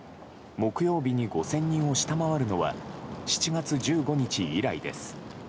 木曜日に５０００人を下回るのは７月１５日以来です。